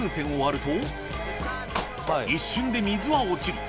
一瞬で水は落ちる